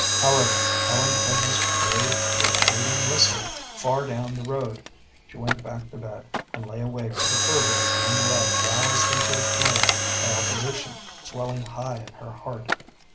However, Ellen heard his brave, retreating whistle far down the road. She went back to bed, and lay awake with a fervor of young love roused into a flame by opposition swelling high in her heart.